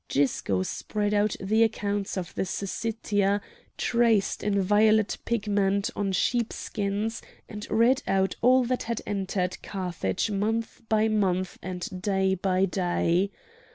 Gisco spread out the accounts of the Syssitia traced in violet pigment on sheep skins; and read out all that had entered Carthage month by month and day by day.